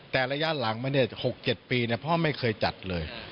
แต่ระยะหลังมา๖๗ปีพ่อไม่เคยจัดเลย